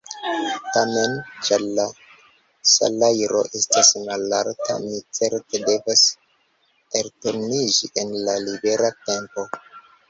Tamen, ĉar la salajro estas malalta, mi certe devos elturniĝi en la libera tempo.